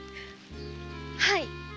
はい。